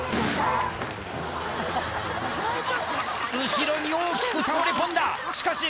後ろに大きく倒れ込んだしかし